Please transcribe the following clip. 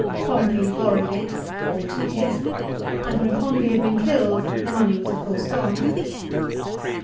Pompey borrowed it or took it, and when Pompey had been killed the money was of course gone.